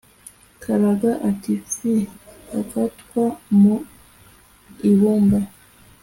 Karaga ati pfiiii !!!!-Agatwa mu ibumba.